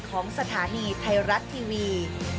ของสถานีไทรัติวี